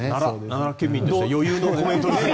奈良県民として余裕のコメントですね。